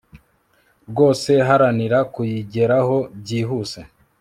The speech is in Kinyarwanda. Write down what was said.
rwose haranira kuyigeraho byi huse